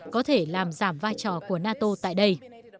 có thể làm giảm vai trò của nato tại đây